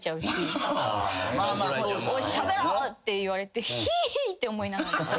「おいしゃべろ！」って言われてヒイィって思いながら。